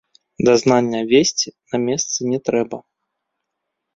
Дазнання весці на месцы не трэба.